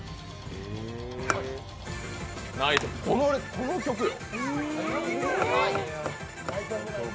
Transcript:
この曲よ？